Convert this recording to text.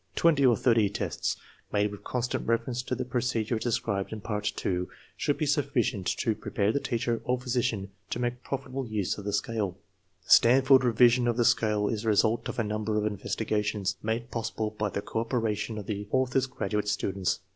Twenty or thirty tests, made with constant reference to the pro cedure as described in Part II, should be sufficient to pre pare the teacher or physician to make profitable use of the scale. The Stanford revision of the scale is the result of a number of investigations, made possible by the cooperation of the author's graduate students.